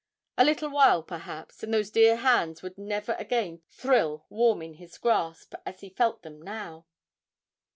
A little while, perhaps, and those dear hands would never again thrill warm in his grasp as he felt them now!